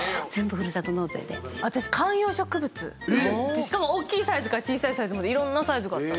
しかも大きいサイズから小さいサイズまでいろんなサイズが。